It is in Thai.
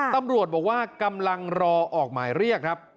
ตำรวจบอกว่ากำลังรอออกหมายเรียกครับ